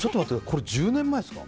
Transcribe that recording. これ、１０年前ですか。